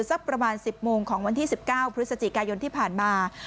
สักประมาณ๑๐โมงของวันที่๑๙พฤศจิกายนที่ผ่านมา